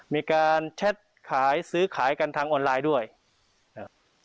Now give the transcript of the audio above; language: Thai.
มีการแชทขายซื้อขายกันทางออนไลน์ด้วยครับ